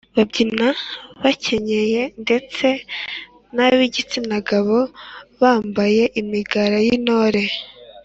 babyina bakenyeye ndetse n’ab’igitsina gabo bambaye imigara y’intore